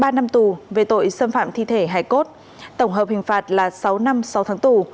ba năm tù về tội xâm phạm thi thể hải cốt tổng hợp hình phạt là sáu năm sáu tháng tù